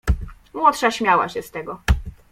"Młodsza śmiała się z tego."